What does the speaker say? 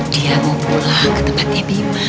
dia mau pulang ke tempatnya bima